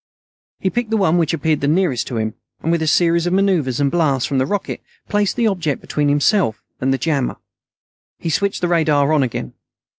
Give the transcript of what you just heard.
He picked the one which appeared the nearest to him, and with a series of maneuvers and blasts from the rockets placed the object between himself and the jammer. He switched the radar on again.